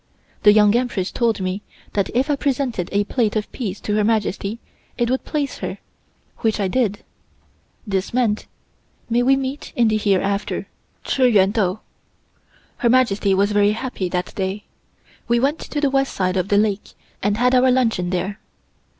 The Young Empress told me that if I presented a plate of peas to Her Majesty it would please her, which I did. This meant: "May we meet in the hereafter" (Chi Yuen Dou). Her Majesty was very happy that day. We went to the west side of the lake and had our luncheon there.